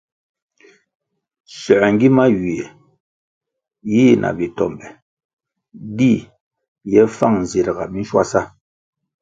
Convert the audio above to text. Soē ngima ywie yi na bi tombe di ye fang zirga minshwasa.